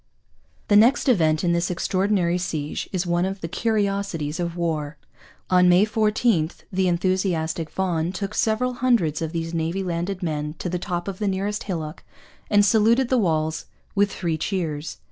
The next event in this extraordinary siege is one of the curiosities of war. On May 14 the enthusiastic Vaughan took several hundreds of these newly landed men to the top of the nearest hillock and saluted the walls with three cheers.